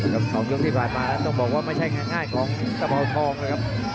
สองยกที่ผ่านมาแล้วต้องบอกว่าไม่ใช่งานง่ายของตะเผาทองเลยครับ